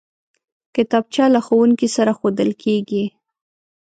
کتابچه له ښوونکي سره ښودل کېږي